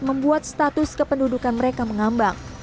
membuat status kependudukan mereka mengambang